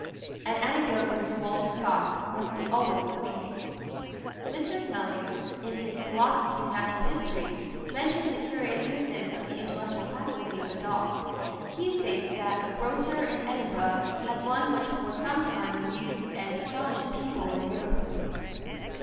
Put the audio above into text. An anecdote from Sir Walter Scott must be always pleasing. Mr. Smellie, in his "Philosophy of Natural History," mentions a curious instance of the intellectual faculty of a dog. He states that "a grocer in Edinburgh had one which for some time amused and astonished the people in the neighbourhood.